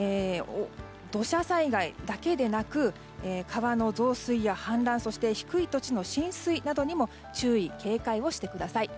土砂災害だけでなく川の増水や氾濫低い土地の浸水などに注意・警戒をしてください。